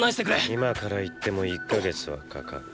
今から行っても１か月はかかる。